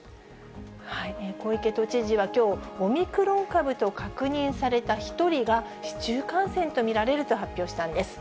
小池都知事はきょう、オミクロン株と確認された１人が市中感染と見られると発表したんです。